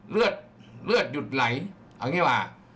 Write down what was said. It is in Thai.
เลือดหยุดไหลเอางี้แหว่